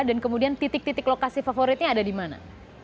dan kemudian titik titik lokasi favoritnya ada di mana